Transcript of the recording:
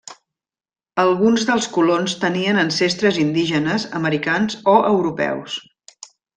Alguns dels colons tenien ancestres indígenes americans o europeus.